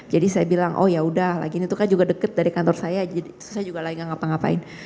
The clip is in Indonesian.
jadi saya bilang oh yaudah lagi ini itu kan juga deket dari kantor saya jadi saya juga lagi gak ngapa ngapain